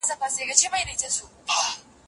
د افغانانو وژل شوي سرتېري لږ و.